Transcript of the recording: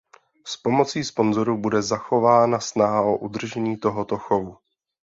S pomocí sponzorů bude zachována snaha o udržení tohoto chovu.